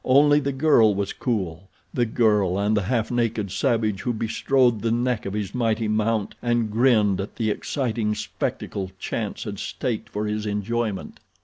Only the girl was cool—the girl and the half naked savage who bestrode the neck of his mighty mount and grinned at the exciting spectacle chance had staked for his enjoyment.